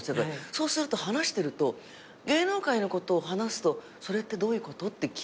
そうすると話してると芸能界のことを話すと「それってどういうこと？」って聞く。